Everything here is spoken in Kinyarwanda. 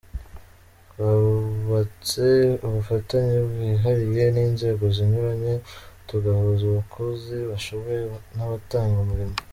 Twubatse ubufatanye bwihariye n’inzego zinyuranye, tugahuza abakozi bashoboye n’abatanga umurimo”.